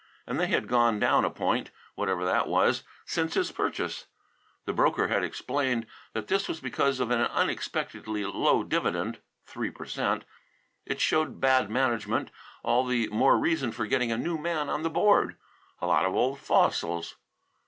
And they had gone down a point, whatever that was, since his purchase. The broker had explained that this was because of an unexpectedly low dividend, 3 per cent. It showed bad management. All the more reason for getting a new man on the Board a lot of old fossils!